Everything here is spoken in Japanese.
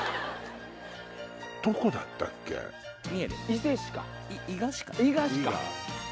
伊勢市か。